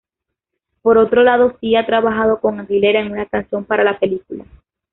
Por otro lado, Sia ha trabajado con Aguilera en una canción para la película.